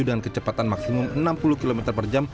dengan kecepatan maksimum enam puluh km per jam